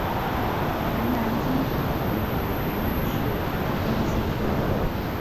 台南金华府位于台南市中西区。